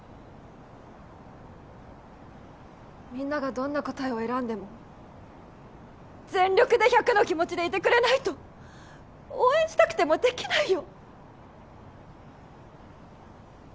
みんながどんな答えを選んでも全力で１００の気持ちでいてくれないと応援したくてもできないよ